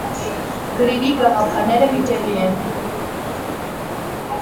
Գրիրի գաղափարները վիճելի են։